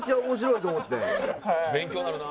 勉強になるな。